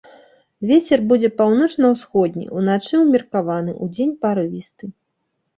Вецер будзе паўночна-ўсходні, уначы ўмеркаваны, удзень парывісты.